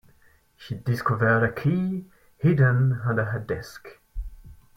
She discovered a key hidden under her desk.